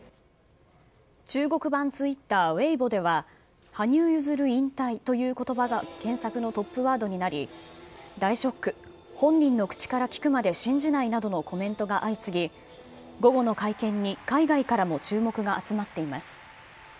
中国版ツイッター、ウェイボでは、羽生結弦引退ということばが検索のトップワードになり、大ショック、本人の口から聞くまで信じないなどのコメントが相次ぎ、午後の会見に海外からも注目が集まっています。